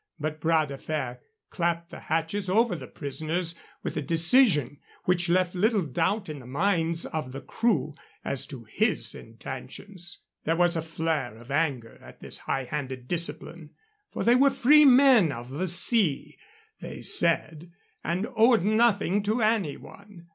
But Bras de Fer clapped the hatches over the prisoners with a decision which left little doubt in the minds of the crew as to his intentions. There was a flare of anger at this high handed discipline, for they were free men of the sea, they said, and owed nothing to any one.